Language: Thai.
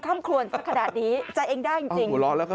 แบบนี้เลย